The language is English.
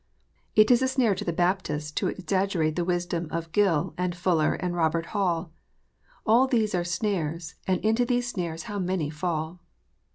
It is a snare to the Baptist to exaggerate the wisdom of Gill, and Fuller, and Robert Hall. All these are snares, and into these snares how many fall